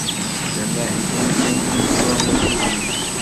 D amahil-iw kan iyi-ččuren akud-iw.